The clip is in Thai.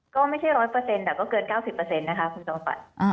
ก็ไม่ใช่๑๐๐แต่ก็เกิน๙๐นะคะคุณจอมฝัน